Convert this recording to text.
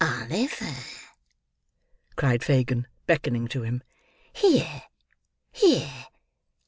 "Oliver," cried Fagin, beckoning to him. "Here, here!